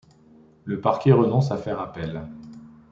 Le parquet renonce à faire appel.